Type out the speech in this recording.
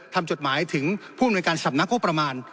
ทำจดหมายถึงผู้เหมือนการสำนักโภคประมาณ